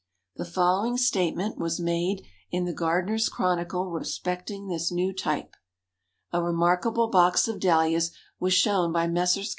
The following statement was made in the Gardener's Chronicle respecting this new type: "A remarkable box of Dahlias was shown by Messrs.